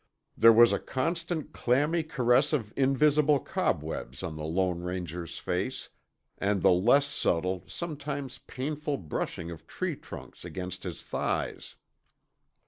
There was a constant clammy caress of invisible cobwebs on the Lone Ranger's face, and the less subtle, sometimes painful brushing of tree trunks against his thighs.